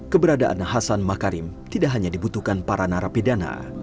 keberadaan hasan makarim tidak hanya dibutuhkan para narapidana